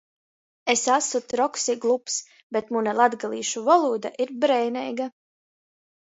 Es asu troks i glups, bet muna latgalīšu volūda ir breineiga!